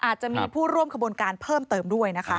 อาจจะมีผู้ร่วมขบวนการเพิ่มเติมด้วยนะคะ